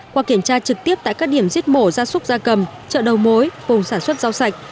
qua kiểm tra trực tiếp tại các điểm giết mổ gia súc gia cầm chợ đầu mối vùng sản xuất rau sạch